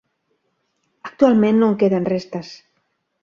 Actualment no en queden restes.